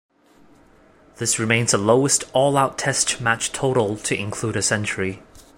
This remains the lowest all-out Test match total to include a century.